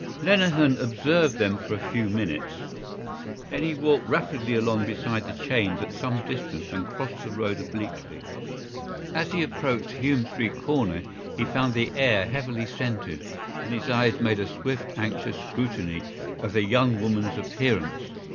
Lenehan observed them for a few minutes. Then he walked rapidly along beside the chains at some distance and crossed the road obliquely. As he approached Hume Street corner he found the air heavily scented and his eyes made a swift anxious scrutiny of the young woman's appearance.